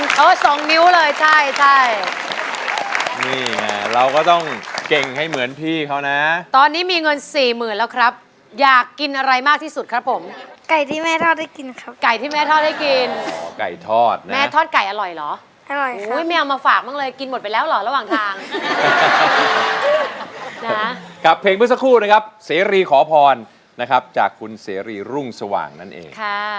กลับเพลงเพื่อสักครู่นะครับเซรีขอพรจากคุณเซรีรุ่งสว่างนั่นเอง